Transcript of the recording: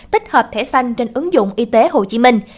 tích hợp thẻ xanh trên ứng dụng y tế hồ chí minh